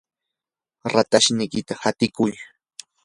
ratashniykita hatiykuy.